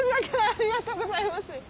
ありがとうございます。